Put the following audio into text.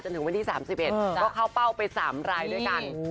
ถึงวันที่๓๑ก็เข้าเป้าไป๓รายด้วยกัน